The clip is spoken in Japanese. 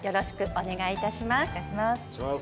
お願いいたします。